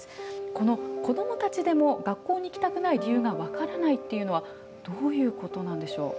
この子どもたちでも学校に行きたくない理由がわからないっていうのはどういうことなんでしょう？